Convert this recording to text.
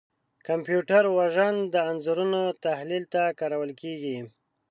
کمپیوټر وژن د انځورونو تحلیل ته کارول کېږي.